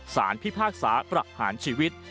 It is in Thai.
พิพากษาประหารชีวิต